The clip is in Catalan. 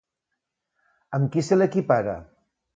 Amb qui se l'equipara?